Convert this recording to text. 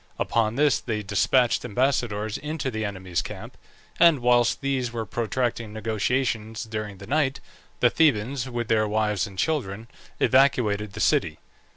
Upon this they despatched ambassadors into the enemy's camp; and whilst these were protracting negotiations during the night, the Thebans, with their wives and children, evacuated the city.